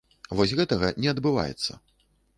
Вось гэтага не адбываецца.